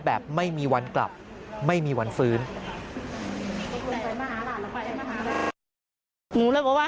แบบไม่มีวันกลับไม่มีวันฟื้น